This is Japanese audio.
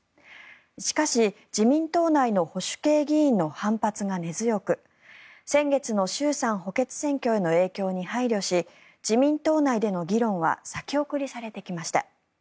しかし、自民党内の保守系議員の反発が根強く先月の衆参補欠選挙への影響に配慮し自民党内での議論は先送りされてきました。